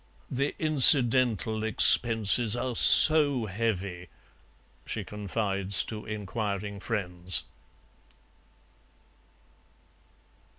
"The incidental expenses are so heavy," she confides to inquiring friends.